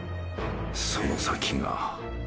その先が。